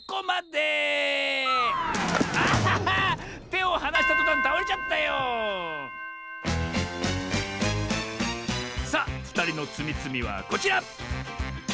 てをはなしたとたんたおれちゃったよさあふたりのつみつみはこちら！